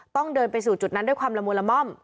ต้องเดินไปสู่จุดนั้นด้วยความละมุนละม่อม